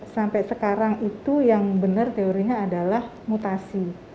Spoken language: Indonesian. sampai sekarang itu yang benar teorinya adalah mutasi